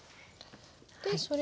でそれを。